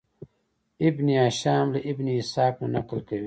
ابن هشام له ابن اسحاق نه نقل کوي.